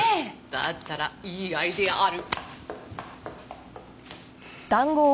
だったらいいアイデアある。